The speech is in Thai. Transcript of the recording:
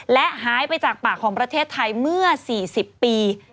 และหายไปจากปากของประเทศไทยเมื่อ๔๐ปี